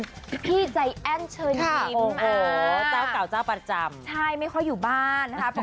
พี่ใจแอ้นเชิญยิ้มเจ้าเก่าเจ้าประจำใช่ไม่ค่อยอยู่บ้านนะคะ